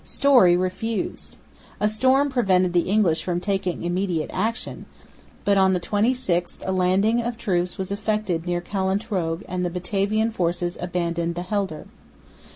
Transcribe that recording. Story refused. A storm prevented the English from taking immediate action; but on the 26th a landing of troops was effected near Callantroog and the Batavian forces abandoned the Helder.